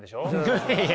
いやいや。